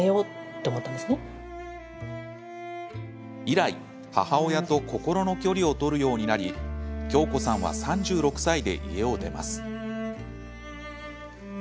以来、母親と心の距離を取るようになり恭子さんは３６歳で家を出ます。